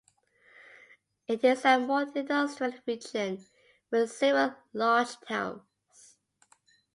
It is a more industrial region with several large towns.